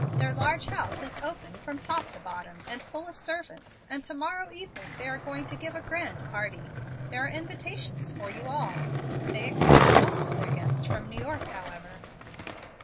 Their large house is open from top to bottom, and full of servants, and to morrow evening they are going to give a grand party. There are invitations for you all. They expect most of their guests from New York, however."